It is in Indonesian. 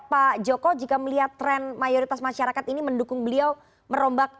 pak joko jika melihat tren mayoritas masyarakat ini mendukung beliau merombak